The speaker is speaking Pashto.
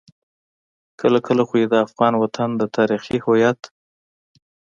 کله کله خو يې د افغان وطن د تاريخي هويت.